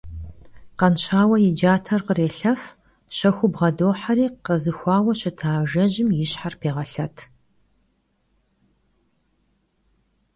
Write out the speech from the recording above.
Khanşaue yi cater khrêlhef, şexuu bğedoheri khezıxuaue şıta ajjejım yi şher pêğelhet.